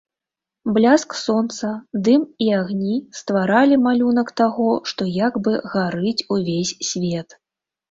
Бляск сонца, дым і агні стваралі малюнак таго, што як бы гарыць увесь свет.